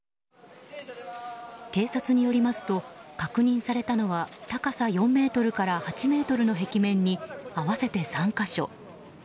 警察によりますと確認されたのは高さ４ｍから８ｍの壁面に合わせて３か所。